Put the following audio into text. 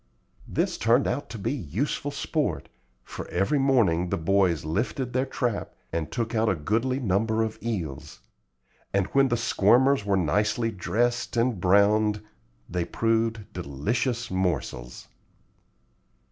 This turned out to be useful sport, for every morning the boys lifted their trap and took out a goodly number of eels; and when the squirmers were nicely dressed and browned, they proved delicious morsels.